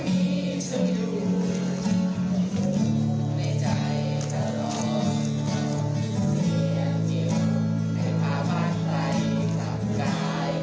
น้องคิตตี้เป็นครั้งสุดท้ายก่อนเคลื่อนร่วมไว้อาลัยด้วยแล้วก็ร้อง